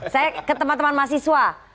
saya ke teman teman mahasiswa